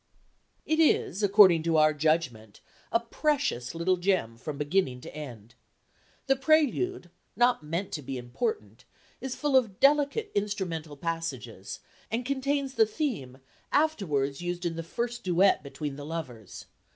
"It is, according to our judgment, a precious little gem, from beginning to end. The prelude, not meant to be important, is full of delicate instrumental passages, and contains the theme afterwards used in the first duet between the lovers.